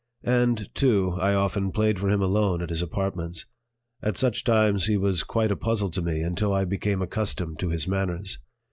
And, too, I often played for him alone at his apartments. At such times he was quite a puzzle to me until I became accustomed to his manners.